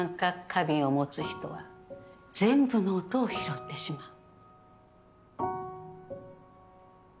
過敏を持つ人は全部の音を拾ってしまう。